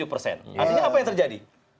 artinya apa yang terjadi